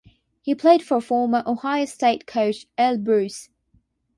He played for former Ohio State coach Earle Bruce.